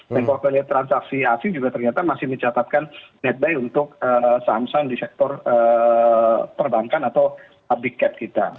dan kalau kita lihat transaksi asing juga ternyata masih mencatatkan netbay untuk saham saham di sektor perbankan atau abdikat kita